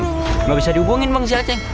tidak bisa dihubungin bang si aceh